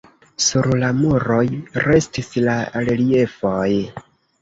Sur la muroj restis la reliefoj.